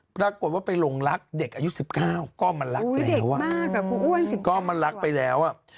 ปรากฏว่าไปลงรักเด็กอายุ๑๙ก็มารักแล้ว